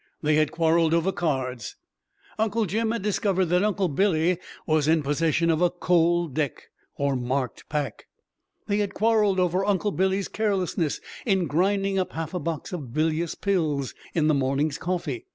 They had quarreled over cards Uncle Jim had discovered that Uncle Billy was in possession of a "cold deck," or marked pack. They had quarreled over Uncle Billy's carelessness in grinding up half a box of "bilious pills" in the morning's coffee.